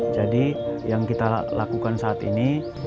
jadi yang kita lakukan saat ini